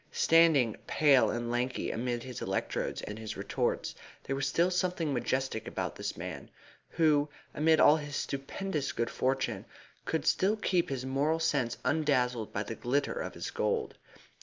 Standing, pale and lanky, amid his electrodes and his retorts, there was still something majestic about this man, who, amid all his stupendous good fortune, could still keep his moral sense undazzled by the glitter of his gold.